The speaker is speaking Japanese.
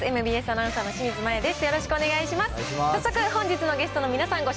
ＭＢＳアナウンサーの清水麻椰です。